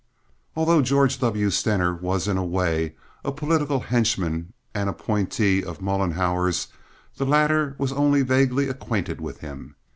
Although George W. Stener was in a way a political henchman and appointee of Mollenhauer's, the latter was only vaguely acquainted with him.